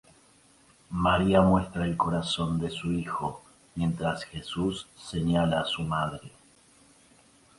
María muestra el corazón de su hijo mientras Jesús señala a su madre.